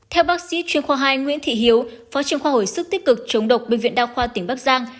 theo bác sĩ chuyên khoa hai nguyễn thị hiếu phó trưởng khoa hồi sức tích cực chống độc bệnh viện đa khoa tỉnh bắc giang